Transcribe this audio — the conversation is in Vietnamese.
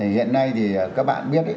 hiện nay thì các bạn biết